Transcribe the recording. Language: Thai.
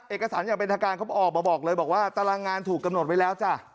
เอกสารอย่างเป็นทางการเขาออกมาบอกเลยบอกว่าตารางงานถูกกำหนดไว้แล้วจ้ะ